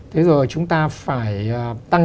thế rồi chúng ta phải tăng